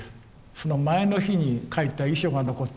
その前の日に書いた遺書が残っています。